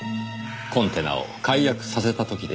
コンテナを解約させた時でしょうか？